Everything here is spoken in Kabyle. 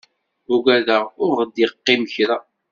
Ugadeɣ ur ɣ-d-iqqim kra.